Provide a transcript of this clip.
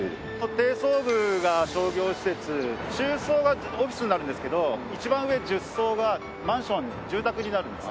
低層部が商業施設中層がオフィスになるんですけど一番上１０層がマンション住宅になるんです。